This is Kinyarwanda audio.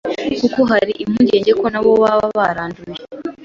kuko hari impungenge ko nabo baba baranduye